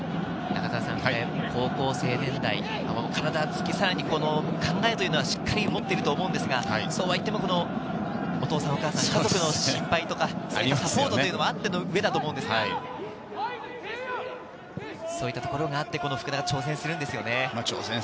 中澤さん、高校生年代、体つき、さらに考えというのはしっかり持っていると思うんですが、そうは言っても、お父さんお母さんあっての心配とか、サポートもあってのうえだと思いますが、そういったところがあって、福田は調整するんですよね。